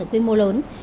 ở quy mô lớn